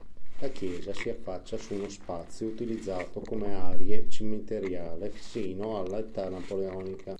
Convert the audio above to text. La Chiesa si affaccia su uno spazio utilizzato come arie cimiteriale sino all'età napoleonica.